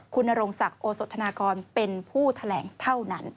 คุณนรงศักดิ์โอสธนากรเป็นผู้แถลงเท่านั้น